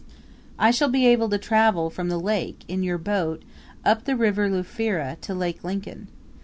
I shall be able to travel from the lake, in your boat, up the River Lufira, to Lake Lincoln.